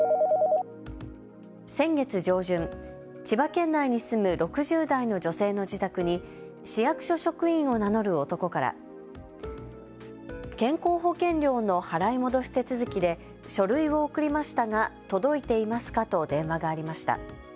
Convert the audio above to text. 先月上旬、千葉県内に住む６０代の女性の自宅に市役所職員を名乗る男から健康保険料の払い戻し手続きで書類を送りましたが、届いていますかと電話がありました。